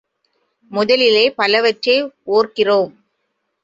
முதலிலே பவலவற்றை ஒர்கிறோம்.